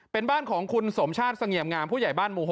เป็นบ้านของคุณสมชาติเสงี่ยมงามผู้ใหญ่บ้านหมู่๖